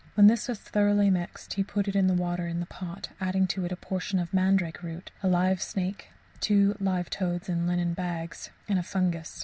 When this was thoroughly mixed he put it in the water in the pot, adding to it a portion of a mandrake root, a live snake, two live toads in linen bags, and a fungus.